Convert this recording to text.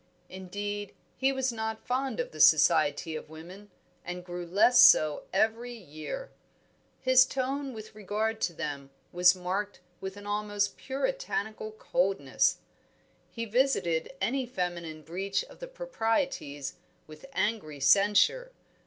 Indeed, he was not fond of the society of women, and grew less so every year. His tone with regard to them was marked with an almost puritanical coldness; he visited any feminine breach of the proprieties with angry censure.